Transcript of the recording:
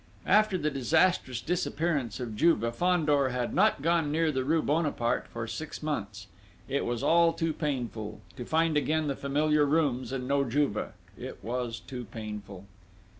After the disastrous disappearance of Juve, Fandor had not gone near the rue Bonaparte for six months. It was all too painful, to find again the familiar rooms and no Juve! It was too painful.